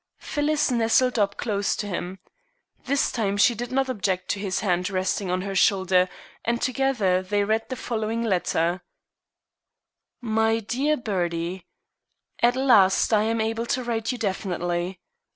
Phyllis nestled up close to him. This time she did not object to his hand resting on her shoulder, and together they read the following letter: "My Dear Bertie, At last I am able to write you definitely.